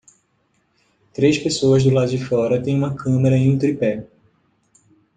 Três pessoas do lado de fora tem uma câmera em um tripé.